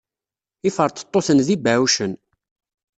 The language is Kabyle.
Iferṭeṭṭuten d ibeɛɛucen.